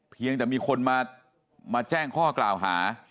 เพียงแต่มีคนมาแจ้งข้อกล่าวหา